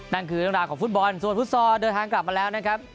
นั่นคือเรื่องราวของฟุตบอลส่วนฟุตซอลเดินทางกลับมาแล้วนะครับ